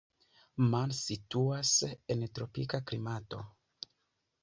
Man situas en tropika klimato.